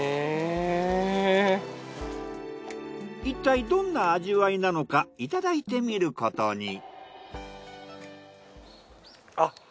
いったいどんな味わいなのかいただいてみることに。